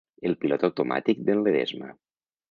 El pilot automàtic d'en Ledesma.